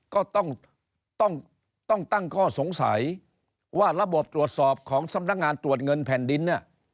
ก็ต้องต้องตั้งข้อสงสัยว่าระบบตรวจสอบของสำนักงานตรวจเงินแผ่นดินเนี่ย